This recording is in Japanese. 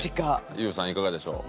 ＹＯＵさんいかがでしょう？